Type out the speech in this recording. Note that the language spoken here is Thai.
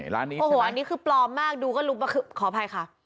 ร้านนี้โอ้โหอันนี้คือปลอมมากดูก็รู้ว่าขออภัยค่ะ